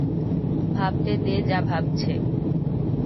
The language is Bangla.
ভাবতে দে যা ভাবছে।